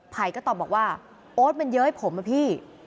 ภัยก็ตอบบอกว่าโอ๊ตมันเย้ยผมนะพี่